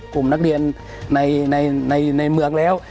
กลุ่มนักเรียนในเมืองแล้ว